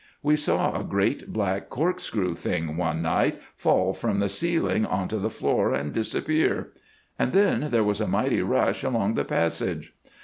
We saw a great black corkscrew thing one night fall from the ceiling on to the floor and disappear, and then there was a mighty rush along the passage.